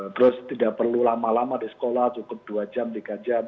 terus tidak perlu lama lama di sekolah cukup dua jam tiga jam